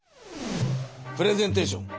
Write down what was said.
プレゼンテーション。